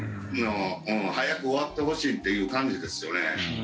早く終わってほしいという感じですよね。